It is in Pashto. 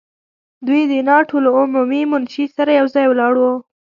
دوی د ناټو له عمومي منشي سره یو ځای ولاړ وو.